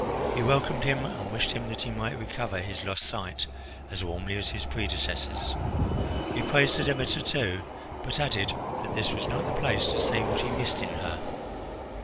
He welcomed him and wished that he might recover his lost sight as warmly as his predecessors. He praised the Demeter, too, but added that this was not the place to say what he missed in her.